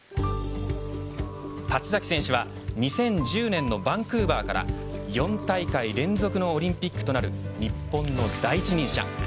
立崎選手は２０１０年のバンクーバーから４大会連続のオリンピックとなる日本の第一人者。